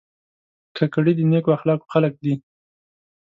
کاکړي د نیکو اخلاقو خلک دي.